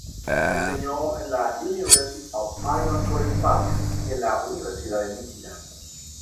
Enseñó en la University of Maryland College Park y en la Universidad de Míchigan.